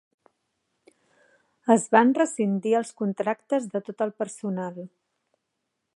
Es van rescindir els contractes de tot el personal.